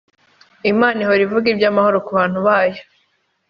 Imana ihora ivuga iby’amahoro ku bantu bayo